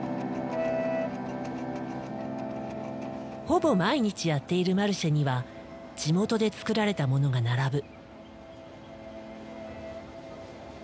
ほぼ毎日やっているマルシェには地元で作られたものが並ぶ。